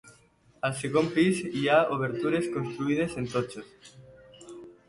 Al segon pis hi ha obertures construïdes en totxo.